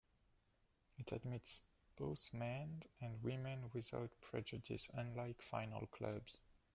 It admits both men and women without prejudice, unlike final clubs.